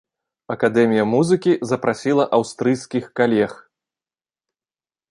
Акадэмія музыкі запрасіла аўстрыйскіх калег.